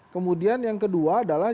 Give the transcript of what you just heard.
kemudian yang kedua adalah